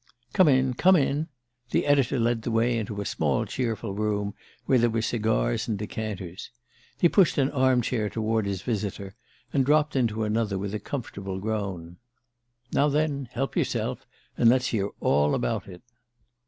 "Come in come in." The editor led the way into a small cheerful room, where there were cigars and decanters. He pushed an arm chair toward his visitor, and dropped into another with a comfortable groan. "Now, then help yourself. And let's hear all about it."